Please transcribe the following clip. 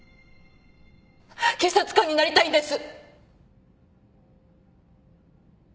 警察官になりたいんです。